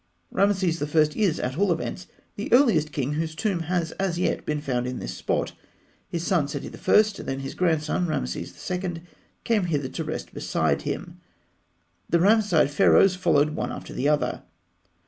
Rameses I. is, at all events, the earliest king whose tomb has as yet been found in this spot. His son, Seti I., then his grandson, Rameses II., came hither to rest beside him. The Ramesside Pharaohs followed one after the other.